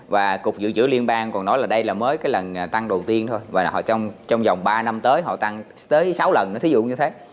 và cục dự trữ liên bang còn nói là đây là mới cái lần tăng đầu tiên thôi và họ trong vòng ba năm tới họ tăng tới sáu lần nó thí dụ như thế